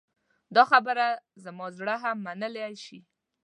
دا خبره زما زړه هم منلی شي.